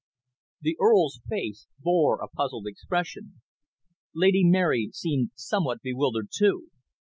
The Earl's face bore a puzzled expression. Lady Mary seemed somewhat bewildered too.